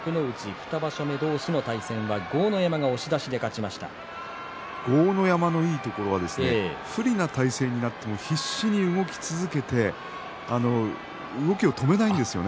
２場所目同士の対戦は豪ノ山のいいところは不利な体勢になっても必死に動き続けて動きを止めないんですよね。